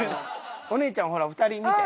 お姉ちゃんほら２人見て。